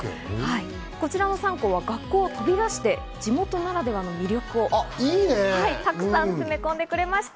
こちらの３校は学校を飛び出して、地元ならではの魅力をたくさん詰め込んでくれました。